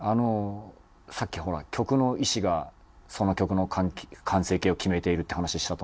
さっきほら「曲の意志がその曲の完成形を決めている」って話したと思うんですけど。